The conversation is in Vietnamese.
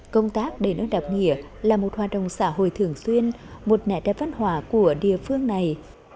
công tác để nói đặc nghĩa là một hoạt động xã hội thường xuyên một nại đại văn hóa của địa phương này